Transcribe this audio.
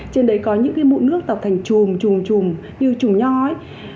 thì nó sẽ có những cái mụn nước tộc thành chùm chùm chùm như chùm nho ấy